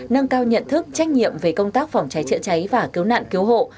nâng cao nhận thức trách nhiệm về công tác phòng cháy chữa cháy và cứu nạn cứu hộ